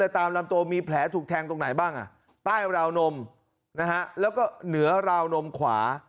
ตามลำตัวมีแผลถูกแทงตรงไหนบ้างใต้ราวนมแล้วก็เหนือราวนมขวา